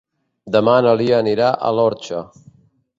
Demà na Lia anirà a l'Orxa.